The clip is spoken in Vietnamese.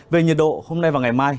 về nhiệt độ hôm nay và ngày mai